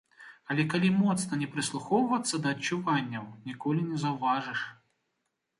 Але калі моцна не прыслухоўвацца да адчуванняў, ніколі не заўважыш.